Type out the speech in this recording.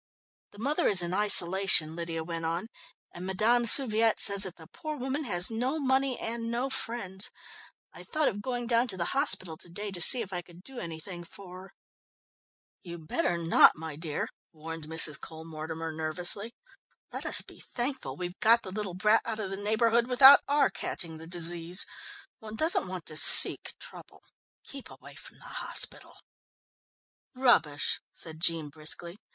"The mother is in isolation," Lydia went on, "and Madame Souviet says that the poor woman has no money and no friends. I thought of going down to the hospital to day to see if I could do anything for her." "You'd better not, my dear," warned Mrs. Cole Mortimer nervously. "Let us be thankful we've got the little brat out of the neighbourhood without our catching the disease. One doesn't want to seek trouble. Keep away from the hospital." "Rubbish!" said Jean briskly.